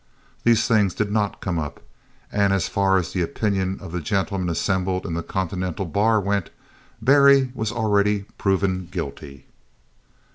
These things did not come up, and as far as the opinion of the gentlemen assembled in the Continental bar went, Berry was already proven guilty.